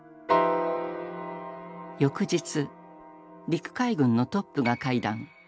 翌日陸海軍のトップが会談。